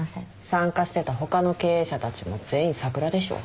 参加してた他の経営者たちも全員サクラでしょ。